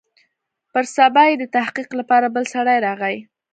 پر سبا يې د تحقيق لپاره بل سړى راغى.